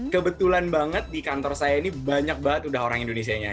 kebetulan banget di kantor saya ini banyak banget udah orang indonesianya